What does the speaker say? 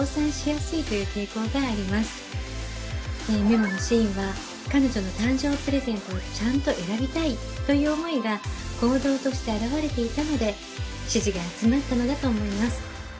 メモのシーンは彼女の誕生プレゼントをちゃんと選びたいという思いが行動として表れていたので支持が集まったのだと思います。